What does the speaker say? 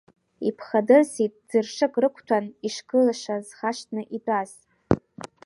Иԥхадырсит ӡыршык рықәҭәан ишгылаша зхашҭны итәаз.